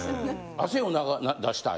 汗を出したい？